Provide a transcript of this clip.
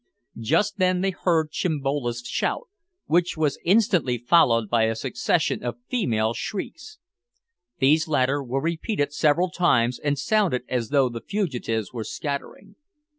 Just then they heard Chimbolo's shout, which was instantly followed by a succession of female shrieks. These latter were repeated several times, and sounded as though the fugitives were scattering.